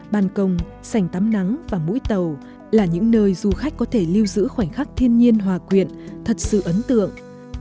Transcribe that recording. ban công sành tắm nắng và mũi tàu là những nơi du khách có thể lưu giữ khoảnh khắc thiên nhiên hòa quyện thật sự ấn tượng